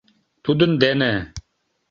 Тудын дене.